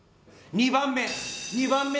２番目！